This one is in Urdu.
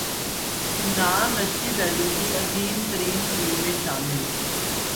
عمران رچی بینو کی عظیم ترین ٹیم میں شامل